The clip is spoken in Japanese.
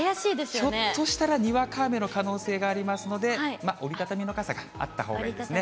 ひょっとしたらにわか雨の可能性がありますので、折り畳みの傘があったほうがいいですね。